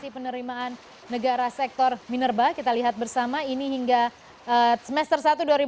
penerimaan negara sektor minerba kita lihat bersama ini hingga semester satu dua ribu dua puluh